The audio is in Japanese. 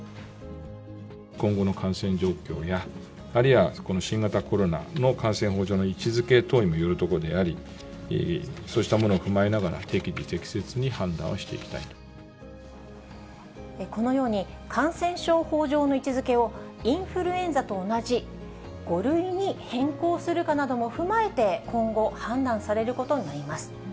今後の感染状況や、あるいは新型コロナの感染症法上の位置づけ等によるところであり、そうしたものを踏まえながら、このように、感染症法上の位置づけをインフルエンザと同じ５類に変更するかなども踏まえて、今後、判断されることになります。